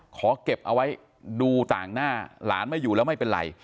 ขอเก็บเอาไว้ดูต่างหน้าหลานไม่อยู่แล้วไม่เป็นไร